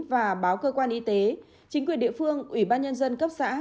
và báo cơ quan y tế chính quyền địa phương ủy ban nhân dân cấp xã